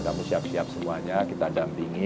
kamu siap siap semuanya kita dampingi